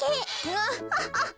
アハハハ！